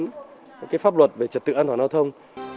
và đây là những cái pháp luật về trật tự an toàn giao thông